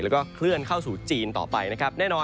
และก็เคลื่อนเข้าสู่จีนต่อไปนะครับ